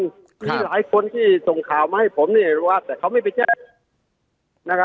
มีหลายคนที่ส่งข่าวมาให้ผมรู้ว่าแต่เขาไม่ไปแจ้ง